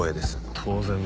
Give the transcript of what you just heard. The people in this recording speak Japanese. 当然だ。